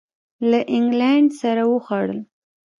له اینګلینډ سره وخوړل.